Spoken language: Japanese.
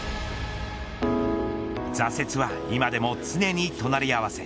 挫折は今でも常に隣合わせ。